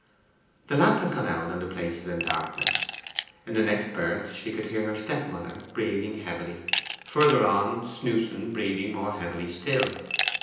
The lamp had gone out and the place was in darkness. In the next berth she could hear her stepmother breathing heavily, further on Snewson breathing more heavily still.